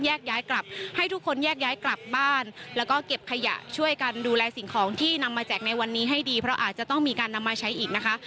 ย้ายกลับให้ทุกคนแยกย้ายกลับบ้านแล้วก็เก็บขยะช่วยกันดูแลสิ่งของที่นำมาแจกในวันนี้ให้ดีเพราะอาจจะต้องมีการนำมาใช้อีกนะคะ